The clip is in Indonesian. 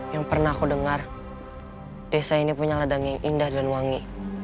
yang pernah aku dengar desa ini punya ladang yang indah dan wangi